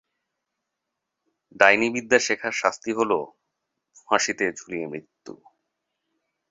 ডাইনিবিদ্যা শেখার শাস্তি হল, ফাঁসিতে ঝুলিয়ে মৃত্যু!